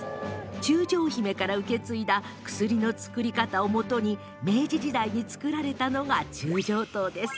中将姫から受け継いだ薬の作り方を基に明治時代に作られたのが中将湯です。